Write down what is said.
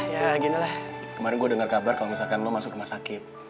ya ginilah kemarin gue dengar kabar kalau misalkan lo masuk rumah sakit